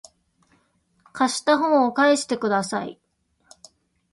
貸した本を返してください